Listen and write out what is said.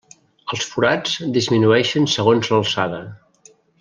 Els forats disminueixen segons l'alçada.